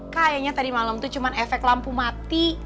kayaknya tadi malam tuh cuma efek lampu mati